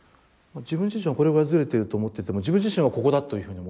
自分自身はこれぐらいズレてると思ってても自分自身はここだというふうに思ってるってことですよね。